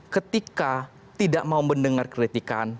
ketika tidak mau mendengar kritikan